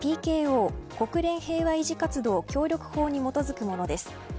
国連平和維持活動協力法に基づくものです。